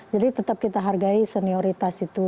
jadi tetap kita hargai senioritas itu